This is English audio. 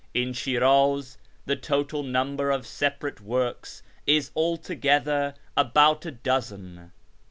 In Shiraz the total number of separate works is altogether about a dozen."